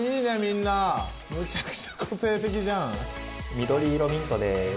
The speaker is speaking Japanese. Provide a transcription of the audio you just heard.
緑色ミントです。